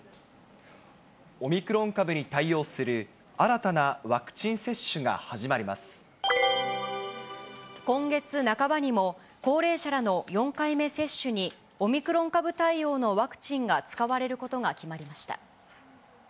オミクロン株に対応する新た今月半ばにも、高齢者らの４回目接種に、オミクロン株対応のワクチンが使われることが決まりました。